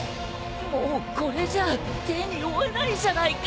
もうこれじゃ手に負えないじゃないか。